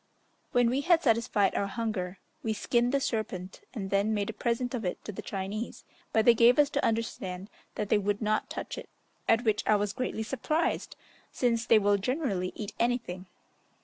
When we had satisfied our hunger, we skinned the serpent and then made a present of it to the Chinese; but they gave us to understand that they would not touch it, at which I was greatly surprised, since they will generally eat anything.